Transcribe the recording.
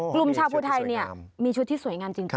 กลุ่มชาวภูไทยเนี่ยมีชุดที่สวยงามจริง